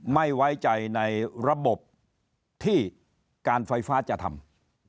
ไม่ไว้ใจในระบบที่การไฟฟ้าจะทำ